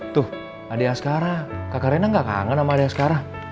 tuh adi askara kakak reyna gak kangen sama adi askara